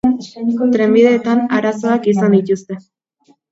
Trenbideetan arazoak izan dituzte.